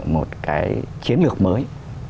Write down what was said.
một cái chiến lược mới